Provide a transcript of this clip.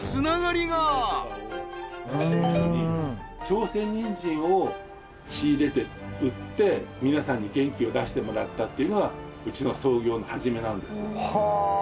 朝鮮ニンジンを仕入れて売って皆さんに元気を出してもらったというのがうちの創業のはじめなんですよ。